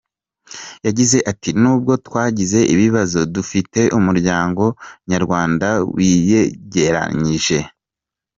Yagize ati "N’ubwo twagize ibibazo, dufite umuryango nyarwanda wiyegeranyije, umeze neza.